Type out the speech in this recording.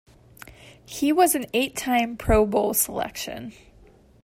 He was an eight-time Pro Bowl selection.